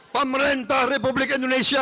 pemerintah republik indonesia